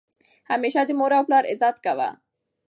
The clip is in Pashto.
همیشه د مور او پلار عزت کوه!